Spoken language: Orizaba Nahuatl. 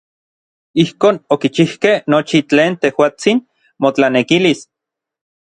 Ijkon okichijkej nochi tlen tejuatsin motlanekilis.